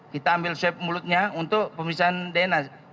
kita ambil swab mulutnya untuk pemisahan dna